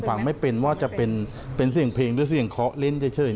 ฟังไม่เป็นว่าจะเป็นเสียงเพลงหรือเสียงเคาะเล่นเฉย